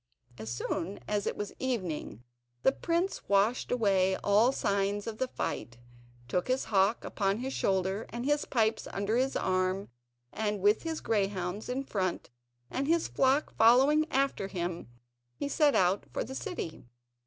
As soon as it was evening, the prince washed away all signs of the fight, took his hawk upon his shoulder, and his pipes under his arm, and with his greyhounds in front and his flock following after him he set out for the city.